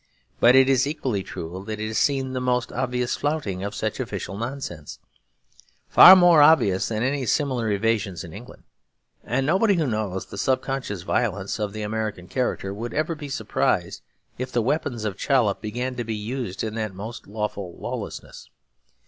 But it is equally true that it has seen the most obvious flouting of such official nonsense, far more obvious than any similar evasions in England. And nobody who knows the subconscious violence of the American character would ever be surprised if the weapons of Chollop began to be used in that most lawful lawlessness.